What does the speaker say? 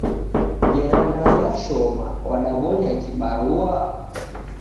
Ngera ndaw'eashoma, w'adabonya kibarua?